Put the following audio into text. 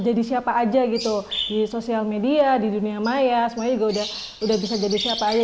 jadi siapa aja gitu di sosial media di dunia maya semuanya juga udah bisa jadi siapa aja